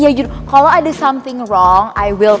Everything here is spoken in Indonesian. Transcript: iya kalau gue ngelakuin sesuatu yang salah gue akan bilang